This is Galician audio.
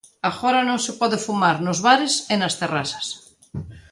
Agora non se pode fumar nos bares e nas terrazas.